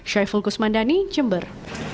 syai fulkus mandani jember